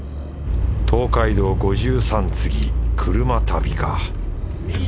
東海道五十三次車旅か。